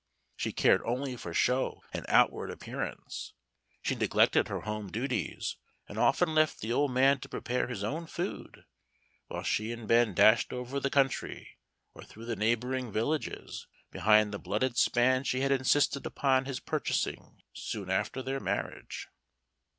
She cared only for show and outward appearance. She neglected her home duties, and often left the old man to prepare his own food, while she and Ben dashed over the country, or through the neighboring villages, behind the blooded span she had insisted upon his purchasing soon after their marriage.